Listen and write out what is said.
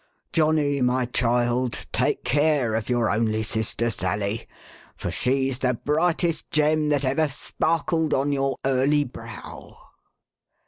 "Johnny, my child, take care of your only sister, Sally ; for she's the brightest gem that ever sparkled on your early brow.'"